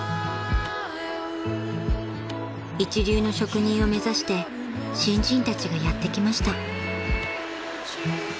［一流の職人を目指して新人たちがやって来ました］